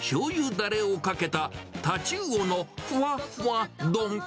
だれをかけたタチウオのフワフワ丼。